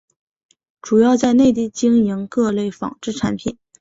主要在内地经营各类纺织产品。